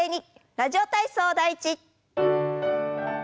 「ラジオ体操第１」。